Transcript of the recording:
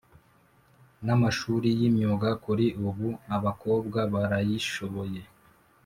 namashuri yimyuga Kuri ubu abakobwa barayishoboye